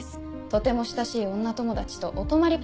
とても親しい女友達とお泊まり